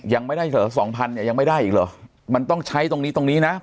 ยังไม่ได้เหรอสองพันเนี่ยยังไม่ได้อีกเหรอมันต้องใช้ตรงนี้ตรงนี้นะ